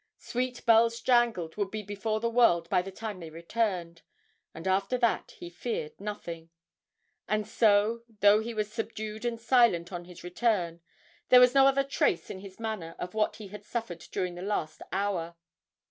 'Sweet Bells Jangled' would be before the world by the time they returned, and after that he feared nothing. And so, though he was subdued and silent on his return, there was no other trace in his manner of what he had suffered during the last hour.